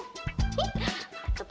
itu pasti suka